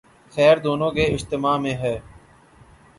خیر دونوں کے اجتماع میں ہے۔